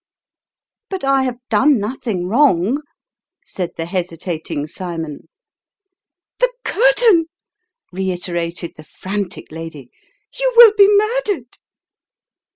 " But I have done nothing wrong," said the hesitating Cymon. " The curtain 1 " reiterated the frantic lady :" you will be murdered."